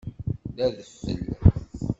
D adfel.